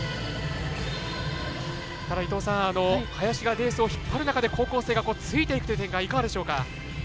伊藤さん、林がレースを引っ張る中で高校生がついていくという展開いかがでしょうか？